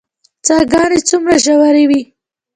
څاه ګانې څومره ژورې وي؟